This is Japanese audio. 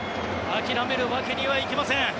諦めるわけにはいきません。